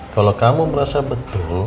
kalau kamu merasa betul